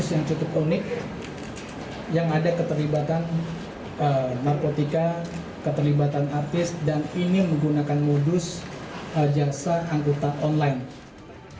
yang cukup unik yang ada keterlibatan narkotika keterlibatan artis dan ini menggunakan modus jaksa anggota online